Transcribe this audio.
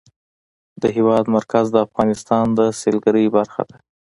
د هېواد مرکز د افغانستان د سیلګرۍ برخه ده.